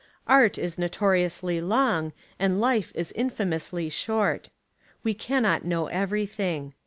Art is notoriously long and life is infamously short. We cannot know everything.